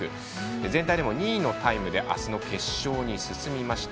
全体でも２位のタイムであすの決勝に進みました。